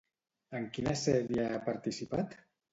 En quina sèrie ha participat?